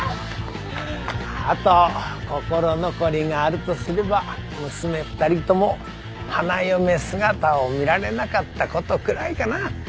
あと心残りがあるとすれば娘２人とも花嫁姿を見られなかったことくらいかな。